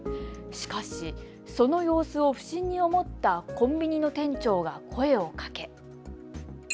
しかし、その様子を不審に思ったコンビニの店長が声をかけ。